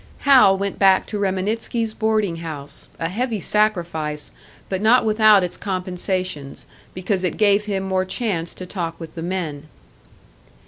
Hal went back to Reminitsky's boarding house; a heavy sacrifice, but not without its compensations, because it gave him more chance to talk with the men.